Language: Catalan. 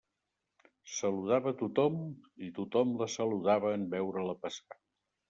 Saludava a tothom i tothom la saludava en veure-la passar.